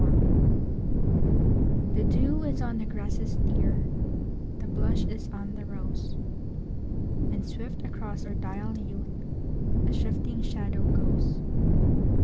Youth THE DEW is on the grasses, dear, The blush is on the rose, And swift across our dial youth,A shifting shadow goes.